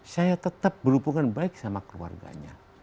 saya tetap berhubungan baik sama keluarganya